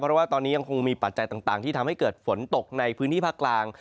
เพราะว่าตอนนี้ยังคงมีปัจจัยต่างที่ทำให้เกิดฝนตกในพื้นที่ภาคกลาง